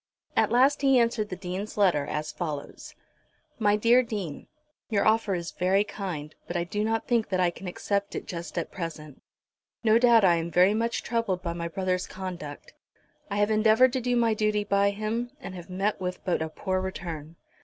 At last he answered the Dean's letter as follows; "MY DEAR DEAN, "Your offer is very kind, but I do not think that I can accept it just at present. No doubt I am very much troubled by my brother's conduct. I have endeavoured to do my duty by him, and have met with but a poor return.